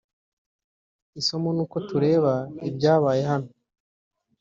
isomo nuko tureba ibyabaye hano